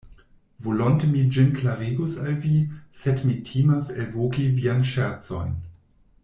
Volonte mi ĝin klarigus al vi, sed mi timas elvoki viajn ŝercojn.